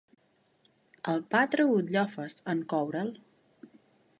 El pa treu butllofes, en coure'l.